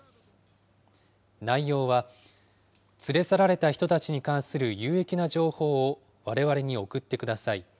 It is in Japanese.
内容は、連れ去られた人たちに関する有益な情報をわれわれに送ってください。